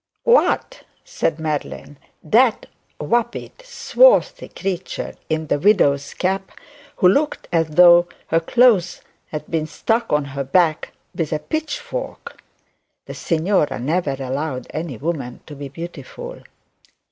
'What?' said Madeline, 'that vapid swarthy creature in the widow's cap, who looked as though her clothes had been stuck on her back with a pitchfork!' The signora never allowed any woman to be beautiful.